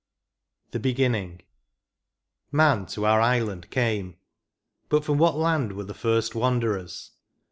I. THE BEGINNING. Man to our island came ; but from what land Were the first wanderers